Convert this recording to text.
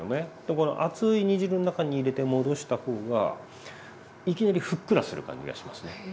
この熱い煮汁の中に入れて戻した方がいきなりふっくらする感じがしますね。